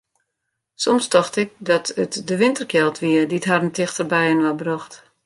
Soms tocht ik dat it de winterkjeld wie dy't harren tichter byinoar brocht.